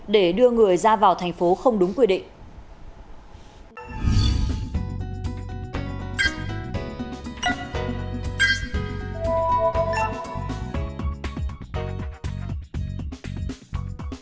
để đưa người ra vào thành phố không đúng quy định